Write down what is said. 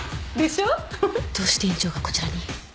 どうして院長がこちらに？